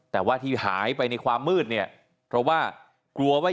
แต่ว่าที่หายไปในความมืดเนี่ยเพราะว่ากลัวว่า